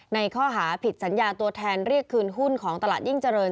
ในข้อหาผิดสัญญาตัวแทนเรียกคืนหุ้นของตลาดยิ่งเจริญ